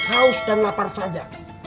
haus dan lapar saja